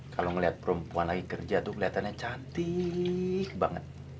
kalau ngeliat perempuan lagi kerja tuh kelihatannya cantik banget